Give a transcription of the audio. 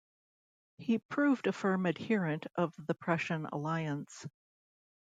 He proved a firm adherent of the Prussian alliance.